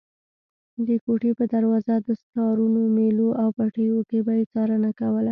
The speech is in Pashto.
د کوټې په دروازه، دستارونو، مېلو او پټیو کې به یې څارنه کوله.